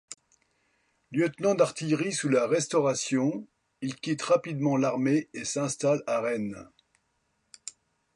Lieutenant d'artillerie sous la Restauration, il quitte rapidement l'armée et s'installe à Rennes.